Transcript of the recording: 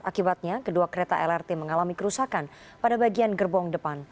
akibatnya kedua kereta lrt mengalami kerusakan pada bagian gerbong depan